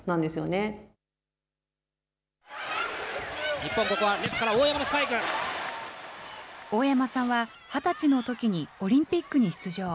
日本、ここはみずから、大山さんは、２０歳のときにオリンピックに出場。